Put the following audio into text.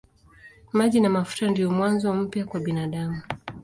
Maji na mafuta ndiyo mwanzo mpya kwa binadamu.